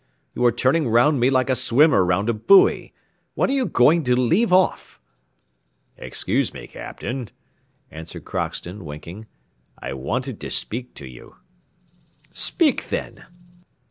You are turning round me like a swimmer round a buoy: when are you going to leave off?" "Excuse me, Captain," answered Crockston, winking, "I wanted to speak to you." "Speak, then."